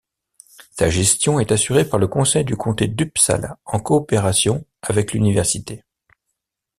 Sa gestion est assurée par le Conseil du comté d'Uppsala en coopération avec l'université.